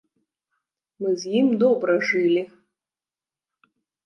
Мы з ім добра жылі.